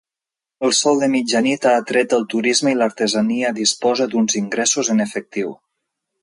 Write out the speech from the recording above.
El sol de mitjanit ha atret el turisme i l'artesania disposa d'uns ingressos en efectiu.